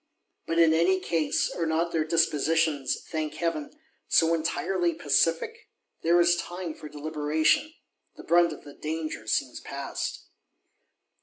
—But, in any case, are not their dispositions, thank Heaven, so entirely pacific? There is time for deliberation. The brunt of the danger seems past!